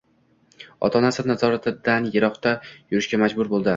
Ota-onasi nazoratidan yiroqda yurishga majbur boʻldi